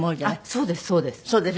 そうですそうです。